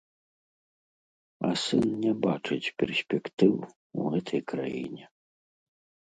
А сын не бачыць перспектыў у гэтай краіне.